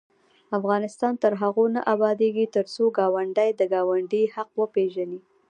افغانستان تر هغو نه ابادیږي، ترڅو ګاونډي د ګاونډي حق وپيژني.